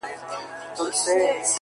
• دلته رنګین, رنګین خوبونه لیدل,